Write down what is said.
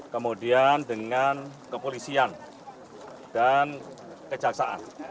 kemudian dengan kepolisian dan kejaksaan